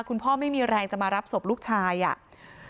ไม่มีแรงจะมารับศพลูกชายอ่ะ